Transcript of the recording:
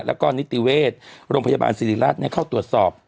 แล้วก็นิติเวชโรงพยาบาลศิริราชเข้าตรวจสอบ